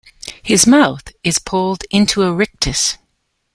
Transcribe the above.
His mouth is pulled into a rictus.